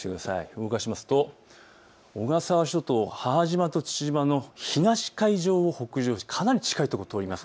動かしますと小笠原諸島、母島と父島の東海上を北上してかなり近いところを通ります。